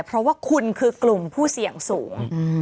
เพราะว่าคุณคือกลุ่มผู้เสี่ยงสูง